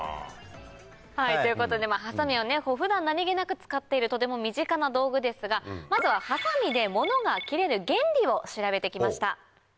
ということでハサミを普段何げなく使っているとても身近な道具ですがまずはハサミでモノが切れる原理を調べてきました。